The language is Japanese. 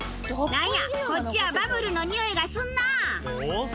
なんやこっちはバブルのにおいがすんな！